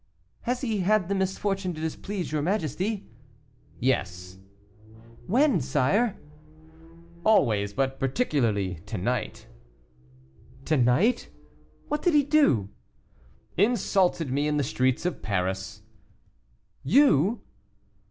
"Has he had the misfortune to displease your majesty?" "Yes." "When, sire?" "Always, but particularly to night." "To night! what did he do?" "Insulted me in the streets of Paris." "You?"